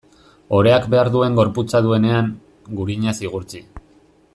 Oreak behar duen gorputza duenean, gurinaz igurtzi.